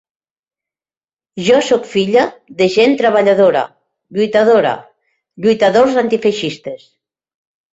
Jo sóc filla de gent treballadora, lluitadora, lluitadors antifeixistes.